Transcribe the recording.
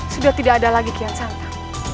sudah tidak ada lagi kian sampah